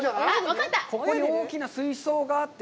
ここに大きな水槽があって。